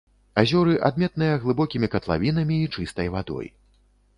Азёры адметныя глыбокімі катлавінамі і чыстай вадой.